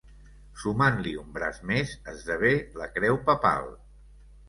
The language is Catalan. Sumant-li un braç més, esdevé la creu papal.